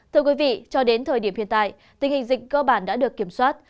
thưa quý vị cho đến thời điểm hiện tại tình hình dịch cơ bản đã được kiểm soát